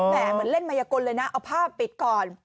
เหมือนเล่นมายกลเลยนะเอาภาพปิดก่อน